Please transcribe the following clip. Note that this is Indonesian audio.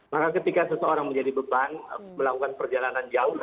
maka ketika seseorang menjadi beban melakukan perjalanan jauh